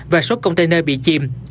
và xuất container bị chìm